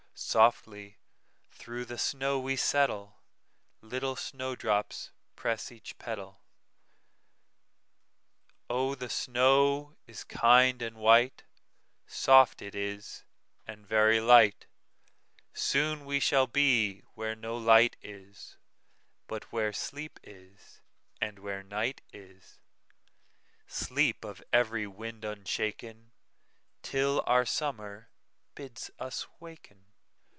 "Softly through the snow we settle, Little snow drops press each petal. Oh, the snow is kind and white,—Soft it is, and very light; Soon we shall be where no light is, But where sleep is, and where night is,—Sleep of every wind unshaken, Till our Summer bids us waken."